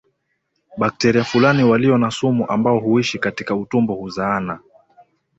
Bakteria fulani walio na sumu ambao huishi katika utumbo huzaana